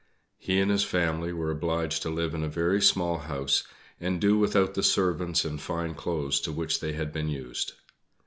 He and his family were obliged to live in a very small house and do without the servants and fine clothes to which they had been used.